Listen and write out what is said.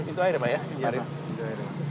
pintu air ya pak ya